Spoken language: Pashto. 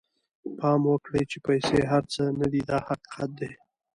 پام وکړئ چې پیسې هر څه نه دي دا حقیقت دی.